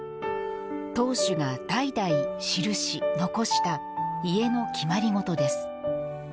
当主が代々記し残した家の決まりごとです。